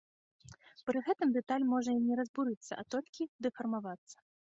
Пры гэтым дэталь можа і не разбурыцца, а толькі толькі дэфармавацца.